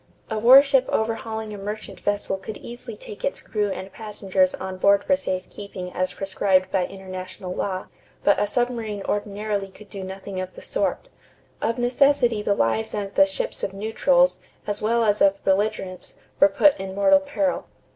A warship overhauling a merchant vessel could easily take its crew and passengers on board for safe keeping as prescribed by international law; but a submarine ordinarily could do nothing of the sort. Of necessity the lives and the ships of neutrals, as well as of belligerents, were put in mortal peril.